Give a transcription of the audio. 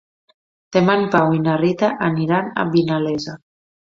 Demà en Pau i na Rita aniran a Vinalesa.